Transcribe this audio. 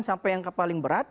sampai yang paling berat